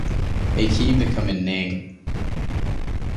އެއީ ކީއްވެ ކަމެއް ނޭނގެ